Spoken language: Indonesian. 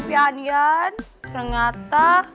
bebep yanian ternyata